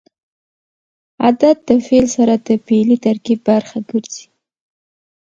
عدد د فعل سره د فعلي ترکیب برخه ګرځي.